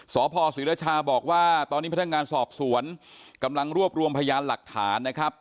สพศรีรชาบอกว่าตอนนี้พนักงานสอบสวนกำลังรวบรวมพยานหลักฐานนะครับ